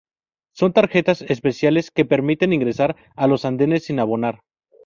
Son tarjetas especiales que permiten ingresar a los andenes sin abonar.